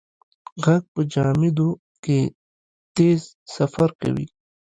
غږ په جامدو کې تېز سفر کوي.